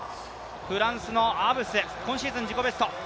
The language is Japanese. フランスのアブス、今シーズン自己ベスト。